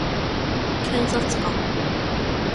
検察官